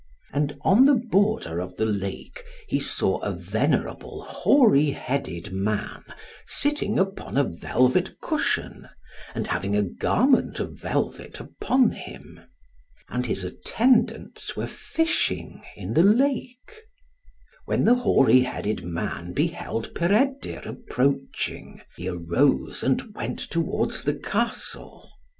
And on the border of the lake he saw a venerable hoary headed man sitting upon a velvet cushion, and having a garment of velvet upon him. And his attendants were fishing in the lake. When the hoary headed man beheld Peredur approaching, he arose, and went towards the castle.